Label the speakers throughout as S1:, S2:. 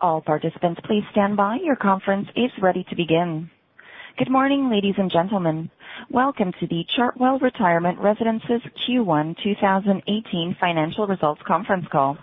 S1: All participants, please standby. Your conference is ready to begin. Good morning, ladies and gentlemen. Welcome to the Chartwell Retirement Residences Q1 2018 financial results conference call.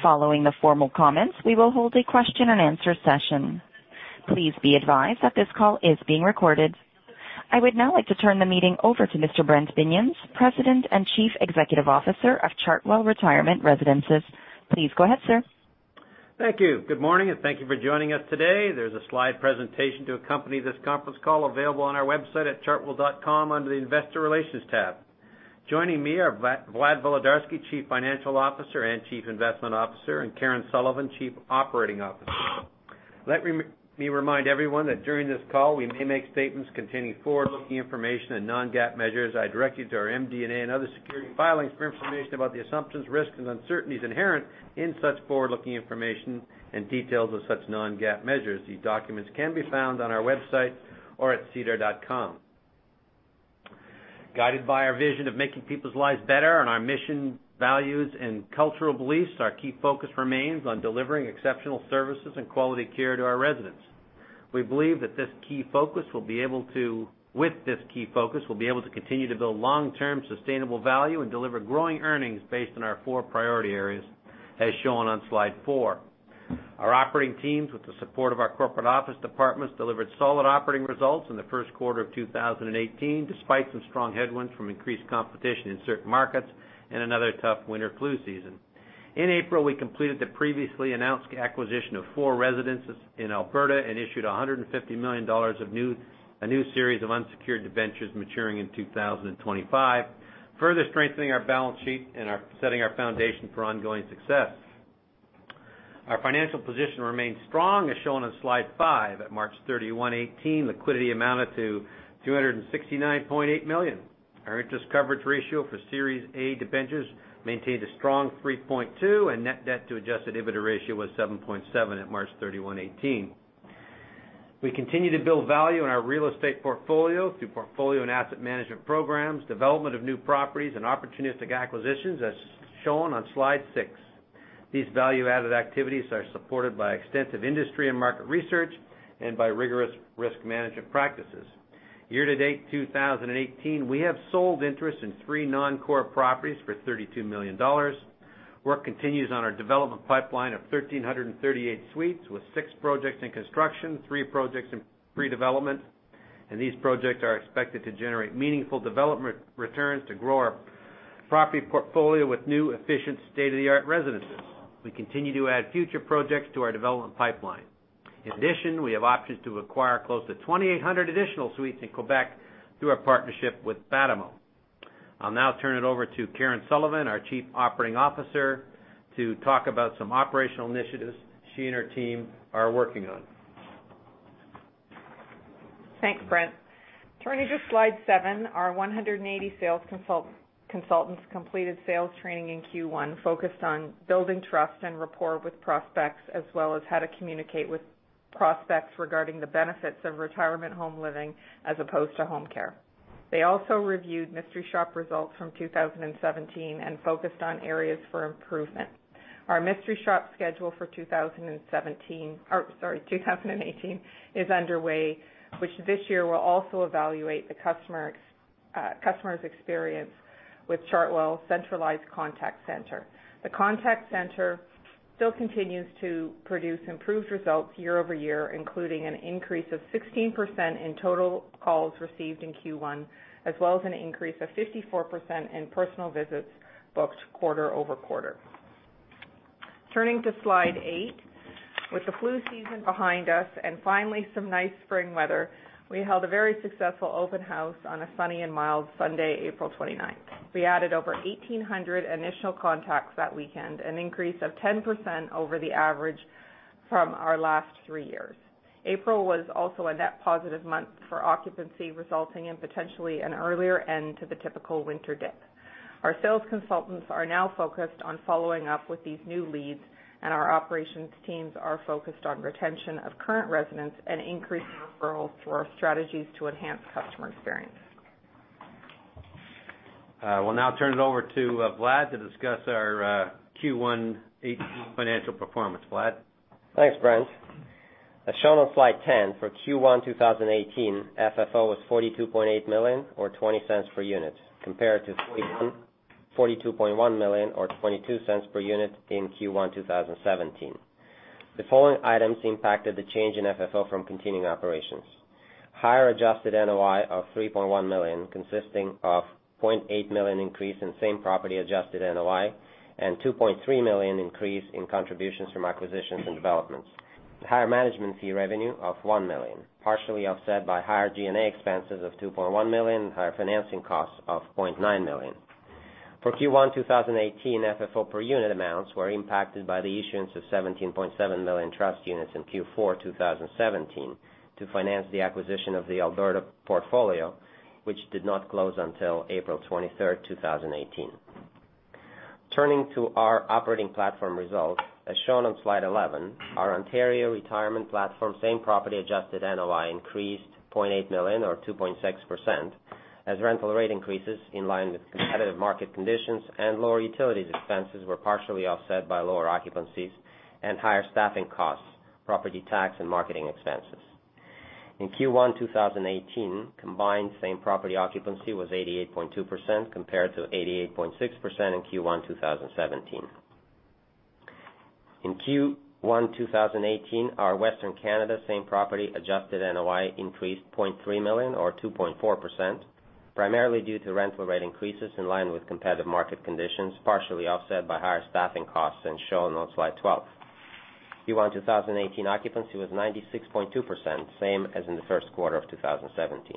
S1: Following the formal comments, we will hold a question and answer session. Please be advised that this call is being recorded. I would now like to turn the meeting over to Mr. Brent Binions, President and Chief Executive Officer of Chartwell Retirement Residences. Please go ahead, sir.
S2: Thank you. Good morning, and thank you for joining us today. There's a slide presentation to accompany this conference call available on our website at chartwell.com under the investor relations tab. Joining me are Vlad Volodarski, Chief Financial Officer and Chief Investment Officer, and Karen Sullivan, Chief Operating Officer. Let me remind everyone that during this call, we may make statements containing forward-looking information and non-GAAP measures. I direct you to our MD&A and other security filings for information about the assumptions, risks, and uncertainties inherent in such forward-looking information and details of such non-GAAP measures. These documents can be found on our website or at sedar.com. Guided by our vision of making people's lives better and our mission, values, and cultural beliefs, our key focus remains on delivering exceptional services and quality care to our residents. We believe that with this key focus, we'll be able to continue to build long-term sustainable value and deliver growing earnings based on our four priority areas, as shown on slide four. Our operating teams, with the support of our corporate office departments, delivered solid operating results in the first quarter of 2018, despite some strong headwinds from increased competition in certain markets and another tough winter flu season. In April, we completed the previously announced acquisition of four residences in Alberta and issued CAD 150 million of a new series of unsecured debentures maturing in 2025, further strengthening our balance sheet and setting our foundation for ongoing success. Our financial position remains strong, as shown on slide five. At March 31, 2018, liquidity amounted to 269.8 million. Our interest coverage ratio for Series A debentures maintained a strong 3.2, and net debt to adjusted EBITDA ratio was 7.7 at March 31, 2018. We continue to build value in our real estate portfolio through portfolio and asset management programs, development of new properties, and opportunistic acquisitions, as shown on slide six. These value-added activities are supported by extensive industry and market research and by rigorous risk management practices. Year-to-date 2018, we have sold interest in three non-core properties for 32 million dollars. Work continues on our development pipeline of 1,338 suites, with six projects in construction, three projects in pre-development, and these projects are expected to generate meaningful development returns to grow our property portfolio with new, efficient, state-of-the-art residences. We continue to add future projects to our development pipeline. In addition, we have options to acquire close to 2,800 additional suites in Quebec through our partnership with Batimo. I'll now turn it over to Karen Sullivan, our Chief Operating Officer, to talk about some operational initiatives she and her team are working on.
S3: Thanks, Brent. Turning to slide seven, our 180 sales consultants completed sales training in Q1, focused on building trust and rapport with prospects, as well as how to communicate with prospects regarding the benefits of retirement home living as opposed to home care. They also reviewed mystery shop results from 2017 and focused on areas for improvement. Our mystery shop schedule for 2018 is underway, which this year will also evaluate the customer's experience with Chartwell's centralized contact center. The contact center still continues to produce improved results year-over-year, including an increase of 16% in total calls received in Q1, as well as an increase of 54% in personal visits booked quarter-over-quarter. Turning to slide eight, with the flu season behind us and finally some nice spring weather, we held a very successful open house on a sunny and mild Sunday, April 29th. We added over 1,800 initial contacts that weekend, an increase of 10% over the average from our last three years. April was also a net positive month for occupancy, resulting in potentially an earlier end to the typical winter dip. Our sales consultants are now focused on following up with these new leads, and our operations teams are focused on retention of current residents and increasing referrals through our strategies to enhance customer experience.
S2: I will now turn it over to Vlad to discuss our Q1 '18 financial performance. Vlad?
S4: Thanks, Brent. As shown on slide 10, for Q1 2018, FFO was 42.8 million, or 0.20 per unit, compared to 42.1 million, or 0.22 per unit in Q1 2017. The following items impacted the change in FFO from continuing operations. Higher adjusted NOI of 3.1 million, consisting of 0.8 million increase in same-property adjusted NOI and 2.3 million increase in contributions from acquisitions and developments. Higher management fee revenue of 1 million, partially offset by higher G&A expenses of 2.1 million and higher financing costs of 0.9 million. For Q1 2018, FFO per unit amounts were impacted by the issuance of 17.7 million trust units in Q4 2017 to finance the acquisition of the Alberta portfolio, which did not close until April 23rd, 2018. Turning to our operating platform results, as shown on slide 11, our Ontario retirement platform same-property adjusted NOI increased 0.8 million or 2.6%. Rental rate increases in line with competitive market conditions, and lower utilities expenses were partially offset by lower occupancies and higher staffing costs, property tax, and marketing expenses. In Q1 2018, combined same property occupancy was 88.2% compared to 88.6% in Q1 2017. In Q1 2018, our Western Canada same property adjusted NOI increased 0.3 million, or 2.4%, primarily due to rental rate increases in line with competitive market conditions, partially offset by higher staffing costs and shown on slide 12. Q1 2018 occupancy was 96.2%, same as in the first quarter of 2017.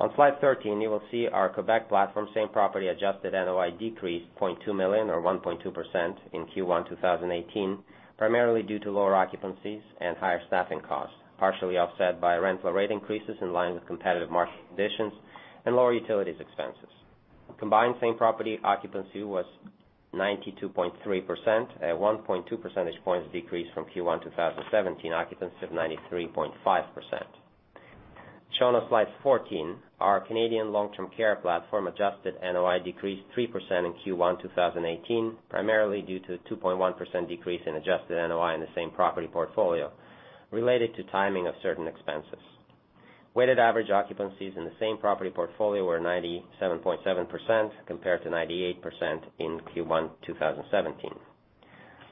S4: On slide 13, you will see our Quebec platform same property adjusted NOI decreased 0.2 million or 1.2% in Q1 2018, primarily due to lower occupancies and higher staffing costs, partially offset by rental rate increases in line with competitive market conditions and lower utilities expenses. Combined same property occupancy was 92.3%, a 1.2 percentage points decrease from Q1 2017 occupancy of 93.5%. Shown on slide 14, our Canadian long-term care platform adjusted NOI decreased 3% in Q1 2018, primarily due to a 2.1% decrease in adjusted NOI in the same property portfolio related to timing of certain expenses. Weighted average occupancies in the same property portfolio were 97.7% compared to 98% in Q1 2017.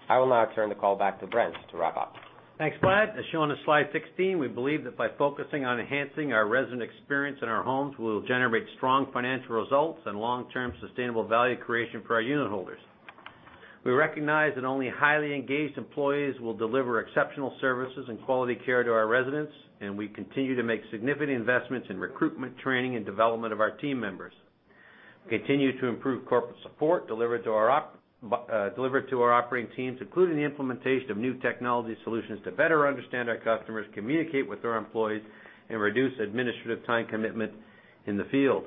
S4: I will now turn the call back to Brent to wrap up.
S2: Thanks, Vlad. As shown on slide 16, we believe that by focusing on enhancing our resident experience in our homes, we'll generate strong financial results and long-term sustainable value creation for our unit holders. We recognize that only highly engaged employees will deliver exceptional services and quality care to our residents, and we continue to make significant investments in recruitment, training, and development of our team members. We continue to improve corporate support delivered to our operating teams, including the implementation of new technology solutions to better understand our customers, communicate with our employees, and reduce administrative time commitment in the field.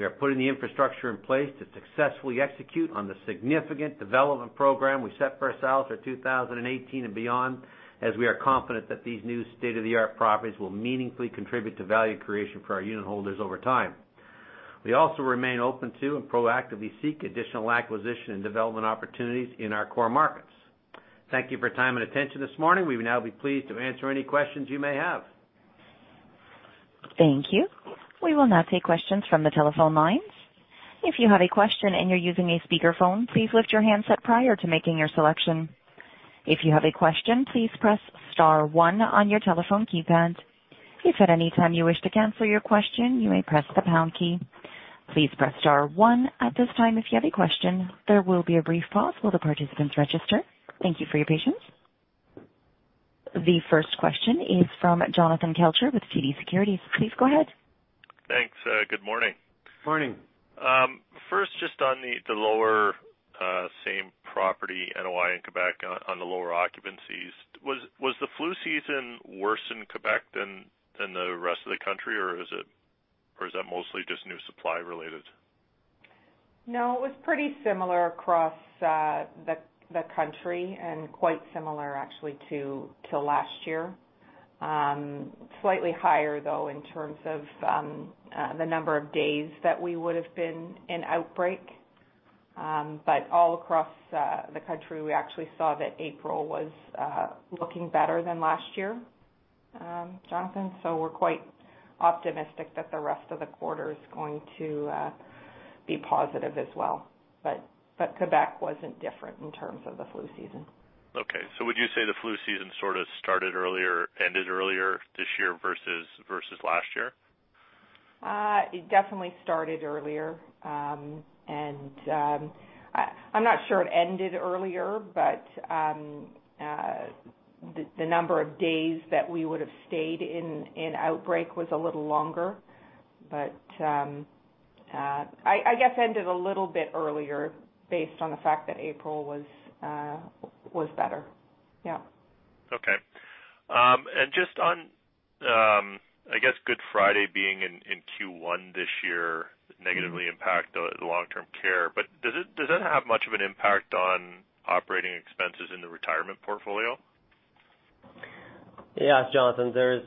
S2: We are putting the infrastructure in place to successfully execute on the significant development program we set for ourselves for 2018 and beyond, as we are confident that these new state-of-the-art properties will meaningfully contribute to value creation for our unit holders over time. We also remain open to and proactively seek additional acquisition and development opportunities in our core markets. Thank you for your time and attention this morning. We will now be pleased to answer any questions you may have.
S1: Thank you. We will now take questions from the telephone lines. If you have a question and you're using a speakerphone, please lift your handset prior to making your selection. If you have a question, please press star one on your telephone keypad. If at any time you wish to cancel your question, you may press the pound key. Please press star one at this time if you have a question. There will be a brief pause while the participants register. Thank you for your patience. The first question is from Jonathan Kelcher with TD Securities. Please go ahead.
S5: Thanks. Good morning.
S2: Morning.
S5: First, just on the lower same property NOI in Quebec on the lower occupancies. Was the flu season worse in Quebec than the rest of the country, or is that mostly just new supply related?
S3: It was pretty similar across the country and quite similar actually to last year. Slightly higher, though, in terms of the number of days that we would've been in outbreak. All across the country, we actually saw that April was looking better than last year, Jonathan. We're quite optimistic that the rest of the quarter is going to be positive as well. Quebec wasn't different in terms of the flu season.
S5: Okay. Would you say the flu season sort of started earlier, ended earlier this year versus last year?
S3: It definitely started earlier. I'm not sure it ended earlier, but the number of days that we would've stayed in outbreak was a little longer. I guess ended a little bit earlier based on the fact that April was better. Yeah.
S5: Okay. Just on, I guess, Good Friday being in Q1 this year negatively impact the long-term care. Does it have much of an impact on operating expenses in the retirement portfolio?
S4: Yeah, Jonathan, there's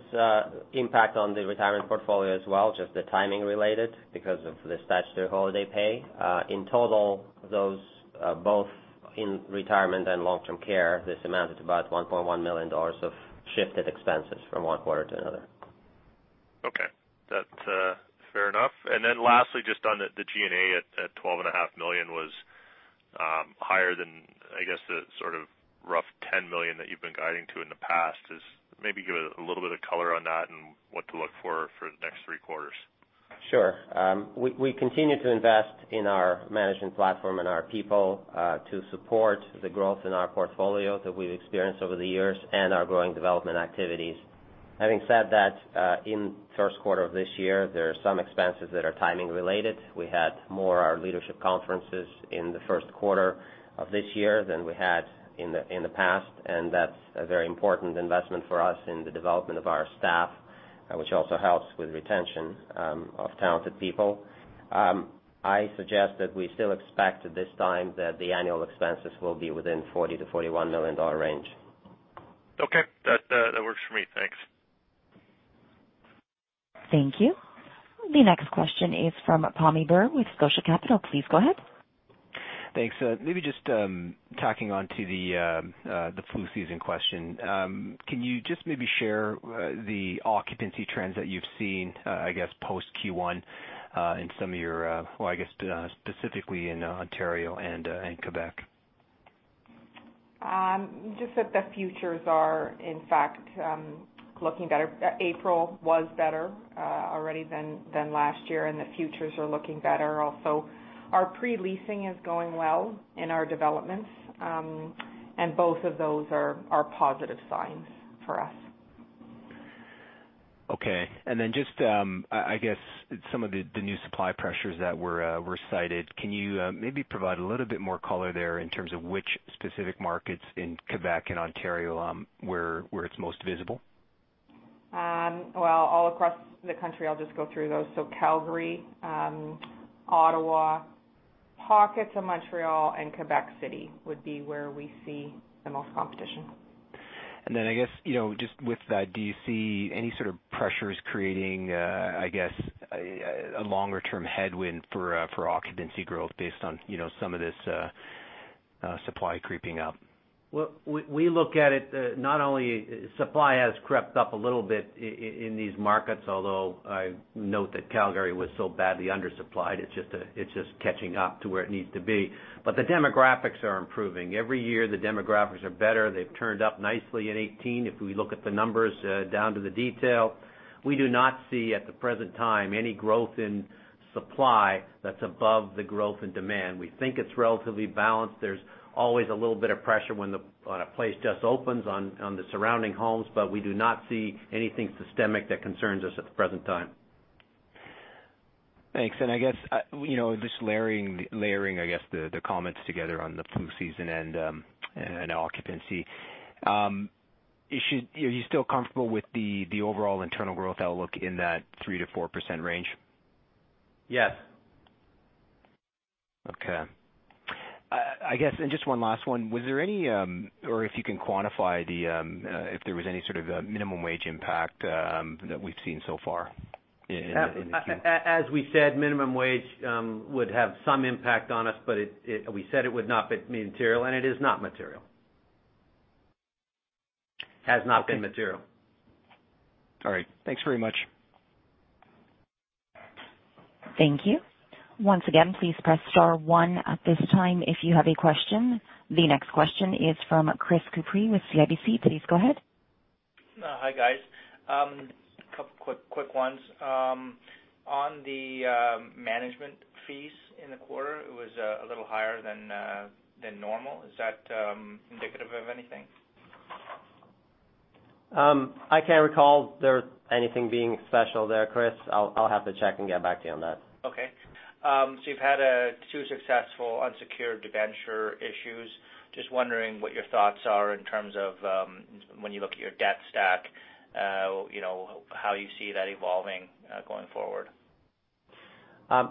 S4: impact on the retirement portfolio as well, just the timing related because of the statutory holiday pay. In total, those, both in retirement and long-term care, this amounted to about 1.1 million dollars of shifted expenses from one quarter to another.
S5: Okay. That's fair enough. Lastly, just on the G&A at 12.5 million was higher than, I guess, the sort of rough 10 million that you've been guiding to in the past. Just maybe give a little bit of color on that and what to look for the next three quarters.
S4: Sure. We continue to invest in our management platform and our people, to support the growth in our portfolio that we've experienced over the years and our growing development activities. Having said that, in first quarter of this year, there are some expenses that are timing related. We had more leadership conferences in the first quarter of this year than we had in the past, that's a very important investment for us in the development of our staff, which also helps with retention of talented people. I suggest that we still expect at this time that the annual expenses will be within 40 million to 41 million dollar range.
S5: Okay. That works for me. Thanks.
S1: Thank you. The next question is from Tom Callaghan with Scotia Capital. Please go ahead.
S6: Thanks. Maybe just tacking on to the flu season question. Can you just maybe share the occupancy trends that you've seen, I guess, post Q1 in some of specifically in Ontario and Quebec?
S3: Just that the futures are in fact looking better. April was better already than last year, and the futures are looking better also. Our pre-leasing is going well in our developments. Both of those are positive signs for us.
S6: Okay. Just, I guess some of the new supply pressures that were cited. Can you maybe provide a little bit more color there in terms of which specific markets in Quebec and Ontario, where it's most visible?
S3: All across the country. I'll just go through those. Calgary, Ottawa, pockets of Montreal and Quebec City would be where we see the most competition.
S6: I guess, just with that, do you see any sort of pressures creating, I guess, a longer-term headwind for occupancy growth based on some of this supply creeping up?
S4: We look at it, not only supply has crept up a little bit in these markets, although I note that Calgary was so badly undersupplied, it's just catching up to where it needs to be. The demographics are improving. Every year, the demographics are better. They've turned up nicely in 2018 if we look at the numbers down to the detail. We do not see, at the present time, any growth in supply that's above the growth in demand. We think it's relatively balanced. There's always a little bit of pressure when a place just opens on the surrounding homes, but we do not see anything systemic that concerns us at the present time.
S6: Thanks. I guess, just layering, I guess the comments together on the flu season and occupancy. Are you still comfortable with the overall internal growth outlook in that 3%-4% range?
S4: Yes.
S6: Okay. I guess, and just one last one. Was there any, or if you can quantify if there was any sort of minimum wage impact that we've seen so far in the Q?
S4: As we said, minimum wage would have some impact on us, but we said it would not be material, and it is not material. Has not been material.
S6: All right. Thanks very much.
S1: Thank you. Once again, please press star one at this time if you have a question. The next question is from Chris Couprie with CIBC. Please go ahead.
S7: Hi, guys. Couple quick ones. On the management fees in the quarter, it was a little higher than normal. Is that indicative of anything?
S4: I can't recall there anything being special there, Chris. I'll have to check and get back to you on that.
S7: Okay. You've had two successful unsecured debenture issues. Just wondering what your thoughts are in terms of when you look at your debt stack how you see that evolving going forward.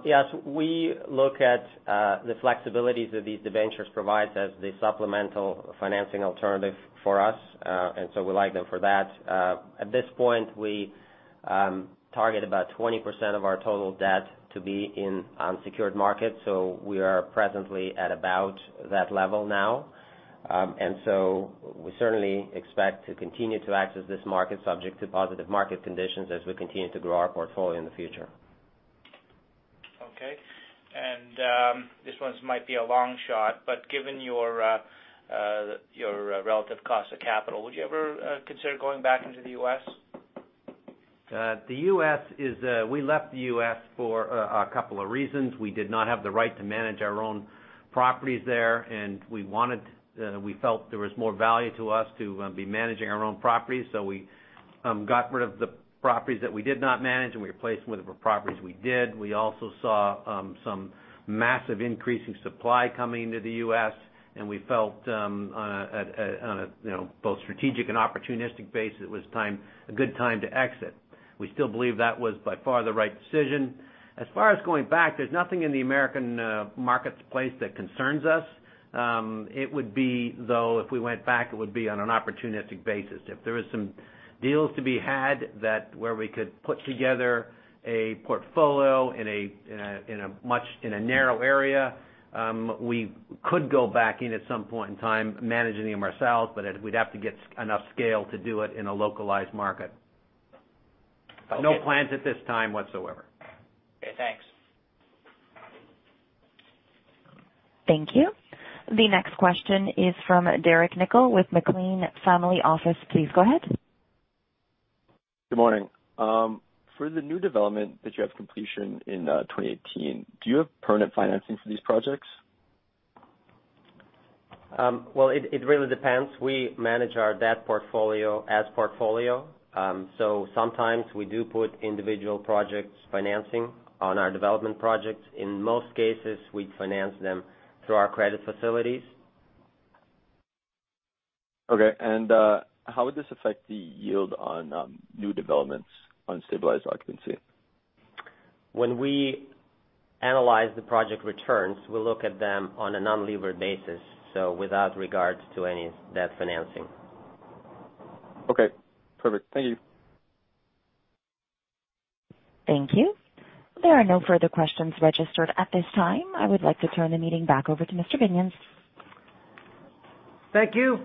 S4: Yes. We look at the flexibilities that these debentures provide as the supplemental financing alternative for us. We like them for that. At this point, we target about 20% of our total debt to be in unsecured markets. We are presently at about that level now. We certainly expect to continue to access this market subject to positive market conditions as we continue to grow our portfolio in the future.
S7: Okay. This one might be a long shot, but given your relative cost of capital, would you ever consider going back into the U.S.?
S4: The U.S. We left the U.S. for a couple of reasons. We did not have the right to manage our own properties there, and we felt there was more value to us to be managing our own properties. We got rid of the properties that we did not manage, and we replaced them with properties we did. We also saw some massive increase in supply coming into the U.S., and we felt, on a both strategic and opportunistic basis, it was a good time to exit. We still believe that was by far the right decision. As far as going back, there is nothing in the American marketplace that concerns us. It would be, though, if we went back, it would be on an opportunistic basis. If there were some deals to be had that where we could put together a portfolio in a narrow area, we could go back in at some point in time, managing them ourselves, but we'd have to get enough scale to do it in a localized market.
S7: Okay.
S4: No plans at this time whatsoever.
S7: Okay, thanks.
S1: Thank you. The next question is from Derek Nickel with McLean Family Office. Please go ahead.
S8: Good morning. For the new development that you have completion in 2018, do you have permanent financing for these projects?
S4: Well, it really depends. We manage our debt portfolio as portfolio. Sometimes we do put individual projects financing on our development projects. In most cases, we finance them through our credit facilities.
S8: Okay. How would this affect the yield on new developments on stabilized occupancy?
S4: When we analyze the project returns, we look at them on a non-levered basis, so without regards to any debt financing.
S8: Okay, perfect. Thank you.
S1: Thank you. There are no further questions registered at this time. I would like to turn the meeting back over to Mr. Binions.
S2: Thank you.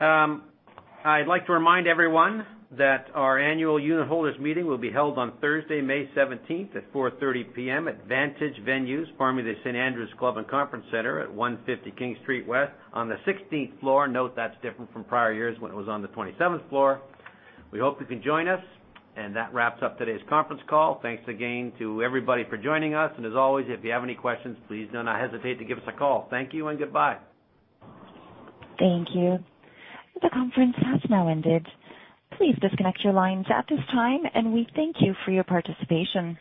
S2: I'd like to remind everyone that our annual unitholders' meeting will be held on Thursday, May 17th at 4:30 P.M. at Vantage Venues, formerly the St. Andrew's Club & Conference Centre at 150 King Street West on the 16th floor. Note that's different from prior years when it was on the 27th floor. We hope you can join us. That wraps up today's conference call. Thanks again to everybody for joining us. As always, if you have any questions, please do not hesitate to give us a call. Thank you and goodbye.
S1: Thank you. The conference has now ended. Please disconnect your lines at this time, we thank you for your participation.